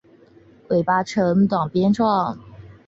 尾巴呈短鞭状。